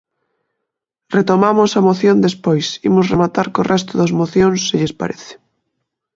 Retomamos a moción despois, imos rematar co resto das mocións se lles parece.